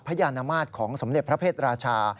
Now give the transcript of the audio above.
พระยานมาตรของสำเร็จพระเภทราชา